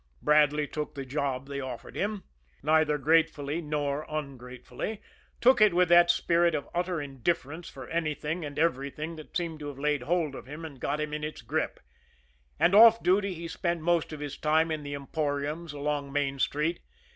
Bradley took the job they offered him, neither gratefully nor ungratefully, took it with that spirit of utter indifference for anything and everything that seemed to have laid hold of him and got him in its grip and off duty he spent most of his time in the emporiums along Main Street.